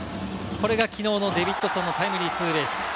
これがきのうのデビッドソンのタイムリーツーベース。